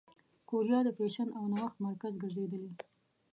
کوریا د فېشن او نوښت مرکز ګرځېدلې.